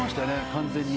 完全に。